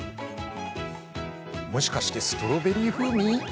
もしかして、ストロベリー風味？